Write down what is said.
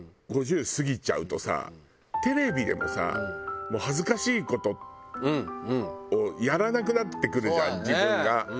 ５０過ぎちゃうとさテレビでもさもう恥ずかしい事をやらなくなってくるじゃん自分が。